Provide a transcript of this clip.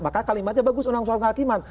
maka kalimatnya bagus undang undang hakiman